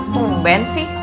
wah mau bensih